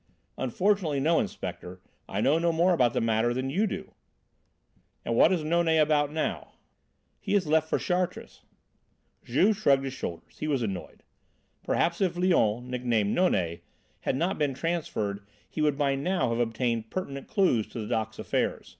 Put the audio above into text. "Unfortunately no, Inspector. I know no more about the matter than you do." "And what is Nonet about now?" "He has left for Chartres." Juve shrugged his shoulders. He was annoyed. Perhaps if Léon, nicknamed Nonet, had not been transferred he would by now have obtained pertinent clues to the dock's affair.